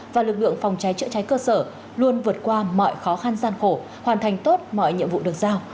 và lực lượng phòng cháy chữa cháy cơ sở luôn vượt qua mọi khó khăn gian khổ hoàn thành tốt mọi nhiệm vụ được giao